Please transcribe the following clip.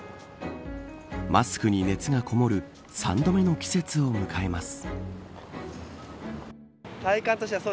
マスクに熱がこもる３度目の季節を迎えます。